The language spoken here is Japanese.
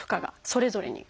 それぞれに？